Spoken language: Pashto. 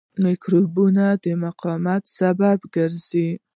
د مکروبونو د مقاومت سبب ګرځي.